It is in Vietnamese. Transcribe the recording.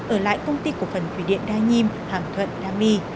ở lại công ty cổ phần thủy điện đa nhiêm hàm thuận đa my